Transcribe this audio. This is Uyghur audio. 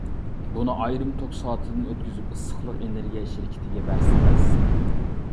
بۇنى ئايرىم توك سائىتىدىن ئۆتكۈزۈپ ئىسسىقلىق ئېنېرگىيە شىركىتىگە بەرسىڭىز.